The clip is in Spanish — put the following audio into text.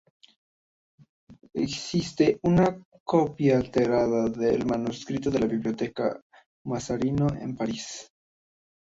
Existe una copia alterada del manuscrito en la Biblioteca Mazarino en París.